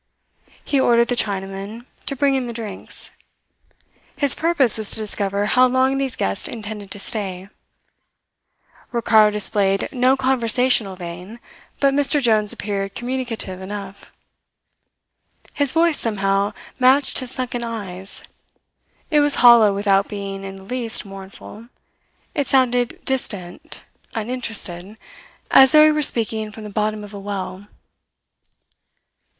He ordered the Chinaman to bring in the drinks. His purpose was to discover how long these guests intended to stay. Ricardo displayed no conversational vein, but Mr. Jones appeared communicative enough. His voice somehow matched his sunken eyes. It was hollow without being in the least mournful; it sounded distant, uninterested, as though he were speaking from the bottom of a well.